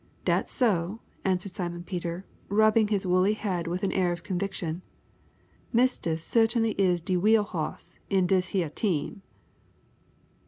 "Dat's so," answered Simon Peter, rubbing his woolly head with an air of conviction. "Mistis su't'ny is de wheel hoss in dis heah team."